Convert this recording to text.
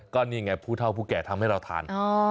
ก็นี่ไงผู้เท่าผู้แก่ทำให้เราทาน